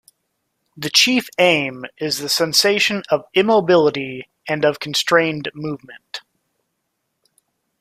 The chief aim is the sensation of immobility and of constrained movement.